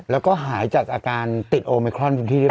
แล้วก็หายจากอาการติดโอมิครอนพื้นที่ด้วยหรือเปล่า